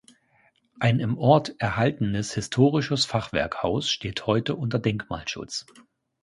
Ein im Ort erhaltenes historisches Fachwerkhaus steht heute unter Denkmalschutz.